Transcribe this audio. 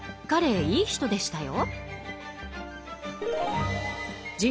彼もいい人でしたよ。